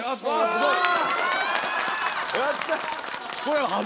すごい！